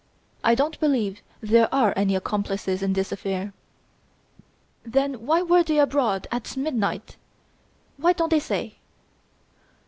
I don't believe there are any accomplices in this affair." "Then, why were they abroad at midnight? Why don't they say?"